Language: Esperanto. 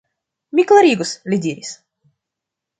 Mi klarigos, li diris.